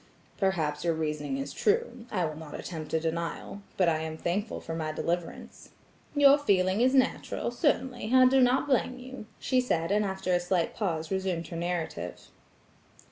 "Perhaps your reasoning is true; I will not attempt a denial. But I am thankful for my deliverance." "Your feeling is natural; certainly, I do not blame you," she said, and after a slight pause resumed her narrative.